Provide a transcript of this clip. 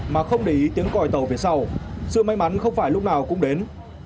mà không để ý tiếng còi tàu về sau sự may mắn không phải lúc nào cũng đến